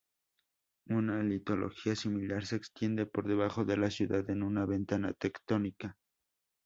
Una litología similar se extiende por debajo de la ciudad en una ventana tectónica.